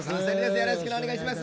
よろしくお願いします。